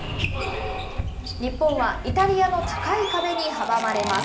日本はイタリアの高い壁に阻まれます。